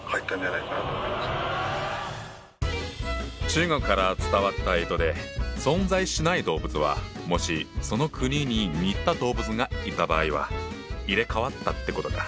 中国から伝わった干支で存在しない動物はもしその国に似た動物がいた場合は入れ代わったってことか。